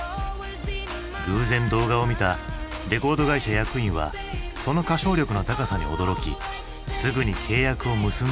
偶然動画を見たレコード会社役員はその歌唱力の高さに驚きすぐに契約を結んだのだった。